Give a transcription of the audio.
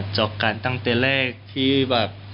จบกันตั้งแต่แรกที่แบบ